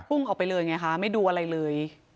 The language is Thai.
่งออกไปเลยไงคะไม่ดูอะไรเลย